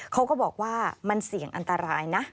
เขาก็บอกว่ามันเสี่ยงอันตรายนะ